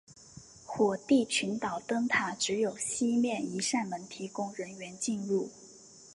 火地群岛灯塔只有西面一扇门提供人员进入。